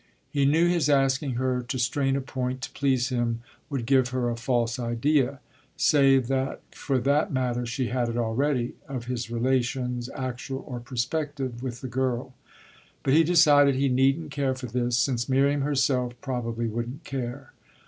He knew his asking her to strain a point to please him would give her a false idea save that for that matter she had it already of his relations, actual or prospective, with the girl; but he decided he needn't care for this, since Miriam herself probably wouldn't care.